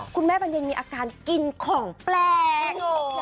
คุณแม่บานเย็นมีอาการกินของแปลก